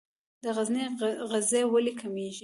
د غزني غزې ولې کمیږي؟